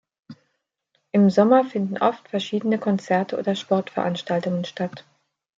Im Sommer finden oft verschiedene Konzerte oder Sportveranstaltungen statt.